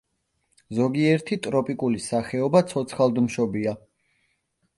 ზოგიერთი ტროპიკული სახეობა ცოცხლადმშობია.